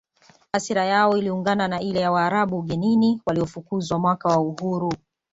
Hasira yao iliungana na ile ya Waarabu ugenini waliofukuzwa mwaka wa uhuru